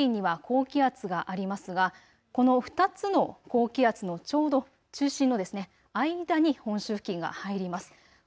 あすも日本付近には高気圧がありますがこの２つの高気圧のちょうど中心の間に本州付近が入ります。